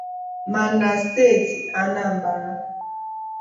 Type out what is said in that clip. ma na steeti Anambra